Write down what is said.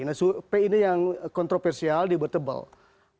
nah survei ini yang kontroversial debatable